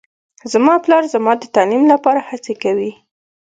زما پلار زما د تعلیم لپاره هڅې کوي